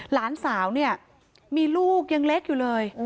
หลานสาวเนี่ยมีลูกยังเล็กอยู่เลย